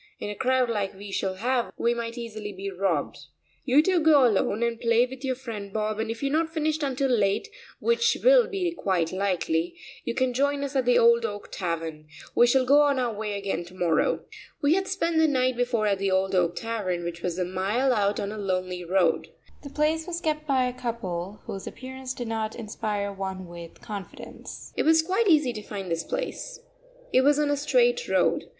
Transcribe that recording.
In a crowd like we shall have we might easily be robbed. You two go alone and play with your friend Bob, and if you are not finished until late, which will be quite likely, you can join us at the Old Oak Tavern. We shall go on our way again to morrow." We had spent the night before at the Old Oak Tavern, which was a mile out on a lonely road. The place was kept by a couple whose appearance did not inspire one with confidence. It was quite easy to find this place. It was on a straight road.